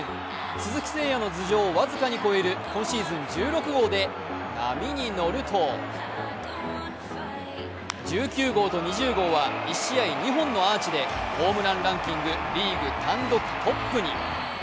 鈴木誠也の頭上を僅かに越える今シーズン１６号で波に乗ると１９号と２０号は１試合２本のアーチでホームランランキングリーグ単独トップに。